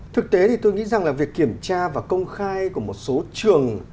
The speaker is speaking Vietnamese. thực tế thì tôi nghĩ rằng là việc kiểm tra và công khai của một số trường